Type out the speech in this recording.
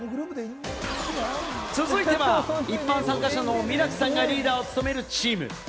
続いては、一般参加者のミラクさんがリーダーを務めるチーム。